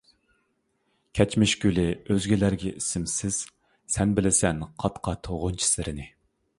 كەچمىش گۈلى ئۆزگىلەرگە ئىسىمسىز، سەن بىلىسەن قات-قات غۇنچە سىرىنى.